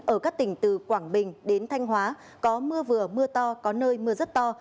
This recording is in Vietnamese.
ở các tỉnh từ quảng bình đến thanh hóa có mưa vừa mưa to có nơi mưa rất to